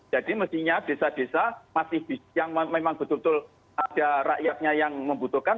jadi mestinya desa desa yang memang betul betul ada rakyatnya yang membutuhkan